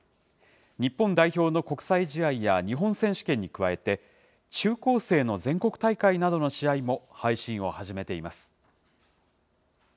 日本代表の国際試合や日本選手権に加えて、中高生の全国大会などの試合も配信を始めています。